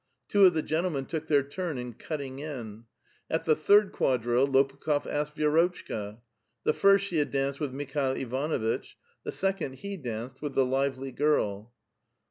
Two of the gen tlemen took their turn in cutting in. At the third quadrille Lopukh6f asked Vi^rotchka. The first she had danced with Mikhail Ivanuitch ; the second he danced with the lively girl.